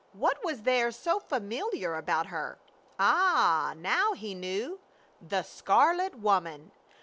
What was there so familiar about her? Ah! now he knew. The Scarlet Woman!